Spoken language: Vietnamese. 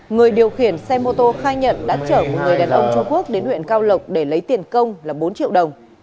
người điều khiển xe mô tô khai nhận đã chở một người đàn ông trung quốc đến huyện cao lộc để lấy tiền công là bốn triệu đồng